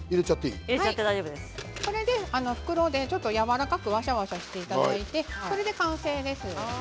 これで袋でちょっとやわらかくわしゃわしゃしていただいて完成です。